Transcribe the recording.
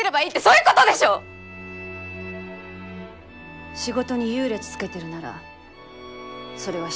仕事に優劣つけてるならそれは失礼よ。